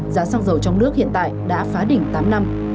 giá xăng dầu trong nước hiện tại đã phá đỉnh tám năm